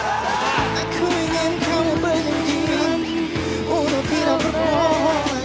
aku ingin kamu berhenti untuk tidak berpohon